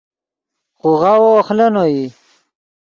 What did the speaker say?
خوغاوو اخلینو ای